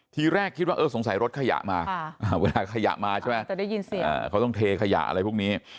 ทีแรกคิดว่าเออสงสัยรถขยะมาเวลาขยะมาใช่ไหมเขาต้องเทขยะอะไรพวกนี้